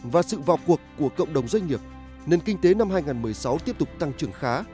và sự vào cuộc của cộng đồng doanh nghiệp nền kinh tế năm hai nghìn một mươi sáu tiếp tục tăng trưởng khá